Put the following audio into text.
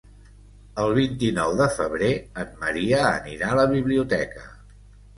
El vint-i-nou de febrer en Maria anirà a la biblioteca.